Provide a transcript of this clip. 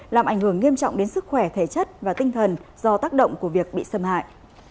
làm ảnh hưởng nghiêm trọng đến sức khỏe thể chất và tinh thần do tác động của việc bị xâm hại